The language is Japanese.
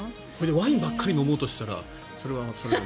ワインばっかり飲もうとしたらそれはそれで。